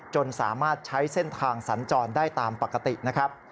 สามารถใช้เส้นทางสัญจรได้ตามปกตินะครับ